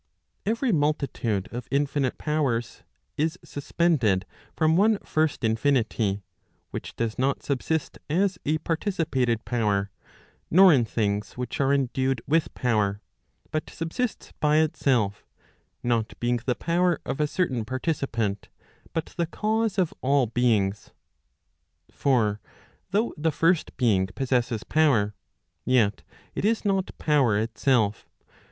Every multitude of infinite powers, is suspended from one first infinity, winch does not subsist as a participated power, nor in things which are endued with power, but subsists by itself, not being the power of a certain participant, but the cause of all beings. For though the first being possesses power, yet it is not power itself.